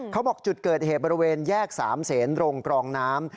เขาบอกจุดเกิดเหตุบริเวณแยก๓เสนโรงกรองน้ำ